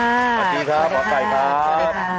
สวัสดีครับหมอไก่ครับ